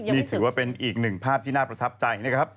นี่ถือว่าเป็นอีกหนึ่งภาพที่น่าประทับใจนะครับ